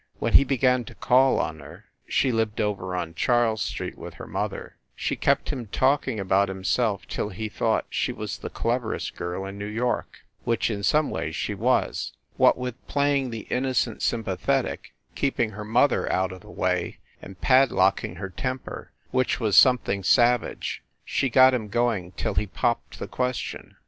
When he began to call on her she lived over on Charles Street with her mother she kept him talking about himself till he thought she was the cleverest girl in New York, which, in some ways, she was. What with playing the innocent sympathetic, keeping her mother out o the way and padlocking her temper, which was something sav THE LIARS CLUB 77 age, she got him going till he popped the question.